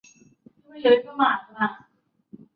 参加该校青年会并被推选为负责人。